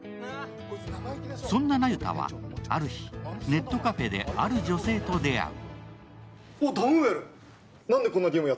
そんなナユタはある日、ネットカフェで女性と出会う。